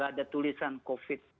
ada tulisan covid